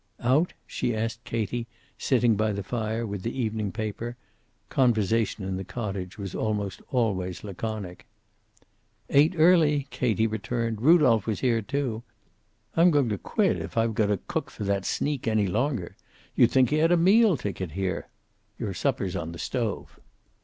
"Out?" she asked Katie, sitting by the fire with the evening paper. Conversation in the cottage was almost always laconic. "Ate early," Katie returned. "Rudolph was here, too. I'm going to quit if I've got to cook for that sneak any longer. You'd think he had a meal ticket here. Your supper's on the stove."